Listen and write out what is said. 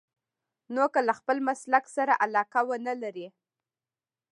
نو که له خپل مسلک سره علاقه ونه لرئ.